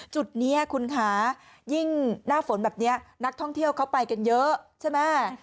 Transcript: จุดนี้คุณคะยิ่งหน้าฝนแบบนี้นักท่องเที่ยวเขาไปกันเยอะใช่ไหม